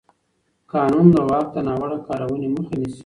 قانون د واک د ناوړه کارونې مخه نیسي.